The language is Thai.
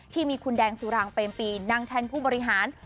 ที่มีคุณแดงสุรางเปรมปีนั่งแทนผู้บริหาร